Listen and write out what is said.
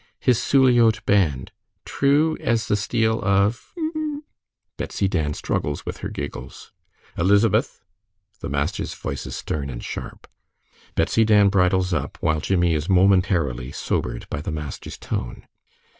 " his Suliote band, True as the steel of " ("im im,") Betsy Dan struggles with her giggles. "Elizabeth!" The master's voice is stern and sharp. Betsy Dan bridles up, while Jimmie is momentarily sobered by the master's tone.